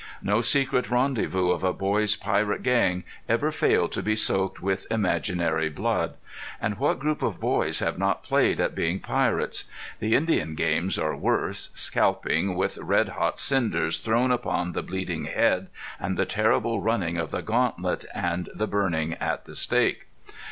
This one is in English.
No secret rendezvous of a boy's pirate gang ever failed to be soaked with imaginary blood! And what group of boys have not played at being pirates? The Indian games are worse scalping, with red hot cinders thrown upon the bleeding head, and the terrible running of the gauntlet, and burning at the stake.